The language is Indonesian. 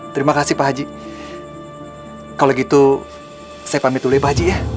terima kasih pak haji kalau gitu saya pamit tuli pak haji ya